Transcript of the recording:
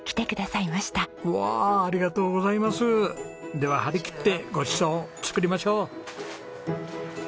では張りきってごちそう作りましょう。